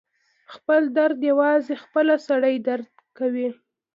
خپل درد یوازې خپله سړی درک کوي.